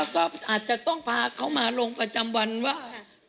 ก็อาจจะต้องพาเขามาลงประจำวันว่า